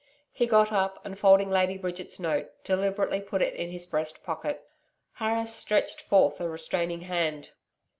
He got up, and folding Lady Bridget's note, deliberately put it in his breast pocket. Harris stretched forth a restraining hand.